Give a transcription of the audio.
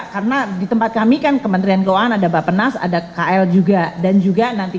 karena di tempat kami kan kementerian keuangan ada bapak penas ada kl juga dan juga nanti